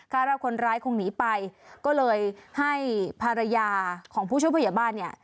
ว่าคนร้ายคงหนีไปก็เลยให้ภรรยาของผู้ช่วยผู้ใหญ่บ้านเนี่ย